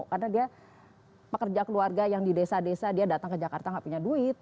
karena dia pekerja keluarga yang di desa desa dia datang ke jakarta tidak punya duit